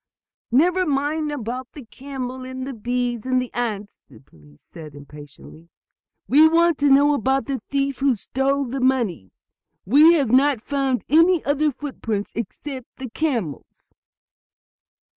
"Never mind about the camel, and the bees and the ants," the policemen said impatiently. "We want to know about the thief who stole the money. You have not found any other footprints except the camel's?"